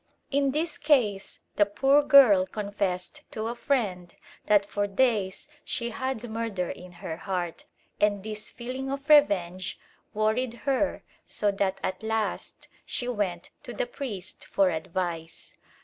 In this case the poor girl confessed to a friend that for days she had murder in her heart, and this feeling of revenge worried her so that at last she went to the priest for advice.